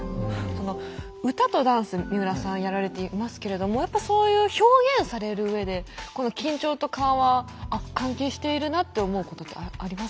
歌とダンス三浦さんやられていますけれどもやっぱそういう表現されるうえでこの緊張と緩和あっ関係しているなって思うことってありますか？